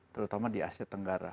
terutama di asia tenggara